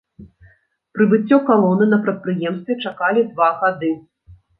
Прыбыццё калоны на прадпрыемстве чакалі два гады.